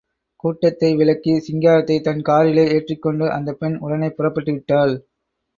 கூட்டத்தை விலக்கி, சிங்காரத்தை தன் காரிலே ஏற்றிக் கொண்டு அந்த பெண் உடனே புறப்பட்டுவிட்டாள்.